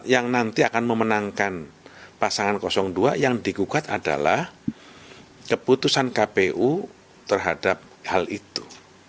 yang nanti akan memenangkan pasangan dua yang digugat adalah keputusan kpu terhadap hal itu